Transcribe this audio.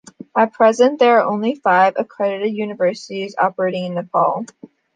At present there are only five accredited universities operating in Nepal.